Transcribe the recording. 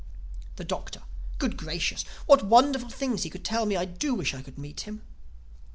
The Doctor: "Good Gracious, what wonderful things he could tell me! I do wish I could meet him."